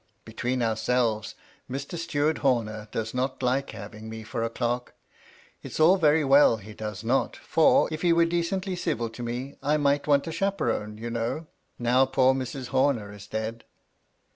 Between ourselves^ Mr. Steward Horner does not like having me for a clerk. It is all very well, he does not ; for, if he were decently civil to me, I might want a chaperone, you know, now poor Mrs. Horner is dead."